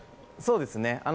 そうですね。